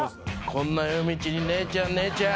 こんな夜道に姉ちゃん姉ちゃん。